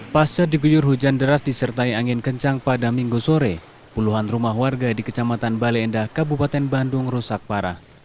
pasca diguyur hujan deras disertai angin kencang pada minggu sore puluhan rumah warga di kecamatan baleendah kabupaten bandung rusak parah